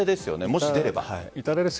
もし出れば。